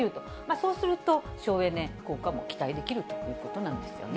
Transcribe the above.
そうすると、省エネ効果も期待できるということなんですよね。